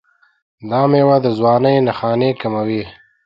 دا میوه د ځوانۍ نښانې کموي.